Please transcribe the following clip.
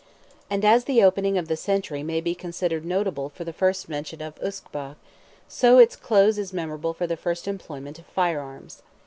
And as the opening of the century may be considered notable for the first mention of Usquebagh, so its close is memorable for the first employment of fire arms.